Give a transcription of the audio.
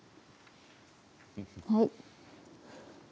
はい。